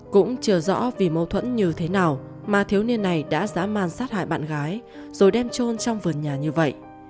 cũng chưa rõ vì mâu thuẫn như thế nào mà thiếu niên này đã dã man sát hại bạn gái rồi đem trôn trong vườn nhà như vậy